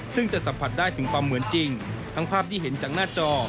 ซึ่งจะสัมผัสได้ถึงความเหมือนจริงทั้งภาพที่เห็นจากหน้าจอ